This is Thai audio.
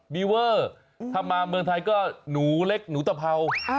ีเวอร์ถ้ามาเมืองไทยก็หนูเล็กหนูตะเพรา